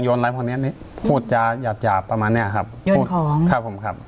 อะไรพวกนี้พูดจาหยาบหยาบประมาณเนี้ยครับโยนของครับผมครับ